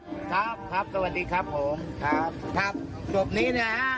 ที่เขาอยู่ในป่าน่ะถ้ามาว่าเหตุการณ์นี้ว่า